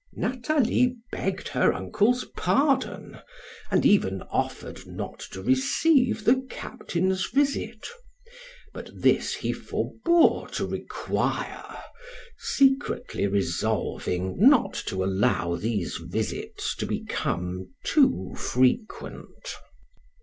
Nathalie begged her uncle's pardon, and even offered not to receive the captain's visit; but this he forbore to require secretly resolving not to allow these visits to become too frequent.